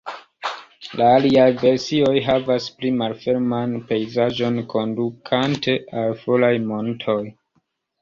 La aliaj versioj havas pli malferman pejzaĝon, kondukante al foraj montoj.